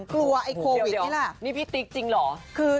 ไอ้โควิดนี่แหละนี่พี่ติ๊กจริงเหรอ